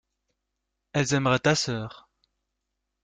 Elles aimeraient ta sœur.